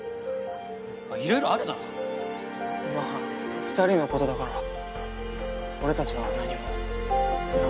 まっいろいろあるだろまぁ２人のことだから俺たちは何もなっ？